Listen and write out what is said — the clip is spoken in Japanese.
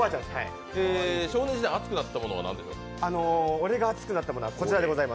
少年時代熱くなったものは？